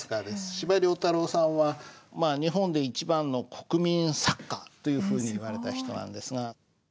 司馬太郎さんは日本で一番の国民作家というふうに言われた人なんですが。